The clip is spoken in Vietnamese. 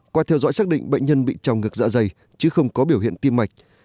qua theo dõi xác định bệnh nhân bị tròng ngực dạ dày chứ không có biểu hiện tim mạch